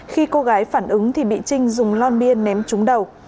khi cô gái phản ứng thì bị trinh dùng lon bia ném trúng đầu